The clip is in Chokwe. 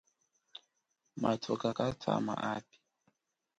Mathuka katwama api.